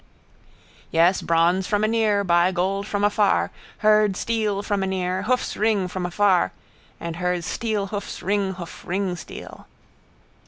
Yes, bronze from anear, by gold from afar, heard steel from anear, hoofs ring from afar, and heard steelhoofs ringhoof ringsteel.